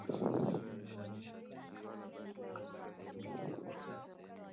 Wanajumuisha mwanamke mmoja kutoka upinzani mama Magwira